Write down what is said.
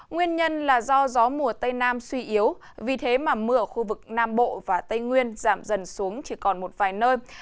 nguyên nhân là do gió mùa tây nam suy yếu vì thế mà mưa ở khu vực nam bộ và tây nguyên giảm dần xuống chỉ còn một vài nơi